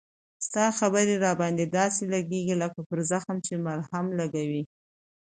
ستا خبري را باندي داسی لګیږي لکه پر زخم چې مرهم لګوې